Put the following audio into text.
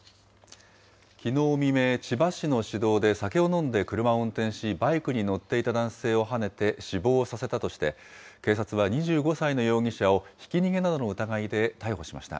きのう未明、千葉市の市道で酒を飲んで車を運転し、バイクに乗っていた男性をはねて死亡させたとして、警察は２５歳の容疑者をひき逃げなどの疑いで逮捕しました。